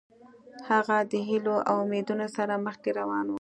هغه د هیلو او امیدونو سره مخکې روان و.